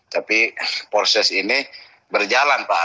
tapi proses ini berjalan pak